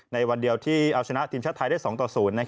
ในวันเดียวที่เอาชนะทีมชาติไทยได้๒ต่อ๐